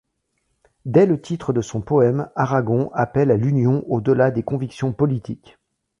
Dès le titre de son poème, Aragon appelle à l’union au-delà des convictions politiques.